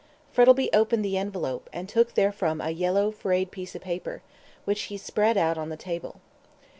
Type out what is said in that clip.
Frettlby opened the envelope, and took therefrom a yellow, frayed piece of paper, which he spread out on the table.